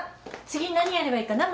次何やればいいかな？